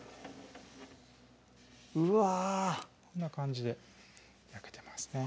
うわこんな感じで焼けてますね